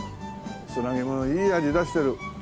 砂肝のいい味出してる。